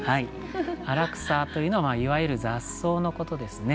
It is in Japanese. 「あらくさ」というのはいわゆる雑草のことですね。